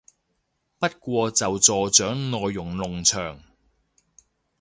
不過就助長內容農場